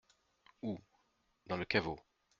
Où ? Dans le caveau.